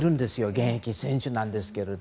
現役選手なんですけど。